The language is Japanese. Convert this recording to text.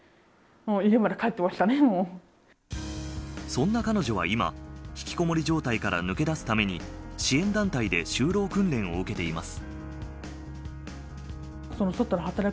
そんな彼女は今ひきこもり状態から抜け抜け出すために支援団体で就労訓練を受けています。